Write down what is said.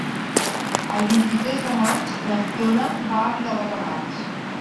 El vint-i-tres de maig na Fiona va a Viladecavalls.